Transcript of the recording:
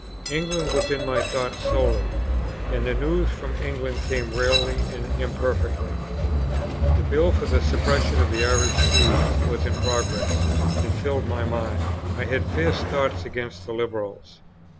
England was in my thoughts solely, and the news from England came rarely and imperfectly. The Bill for the Suppression of the Irish Sees was in progress, and filled my mind. I had fierce thoughts against the Liberals.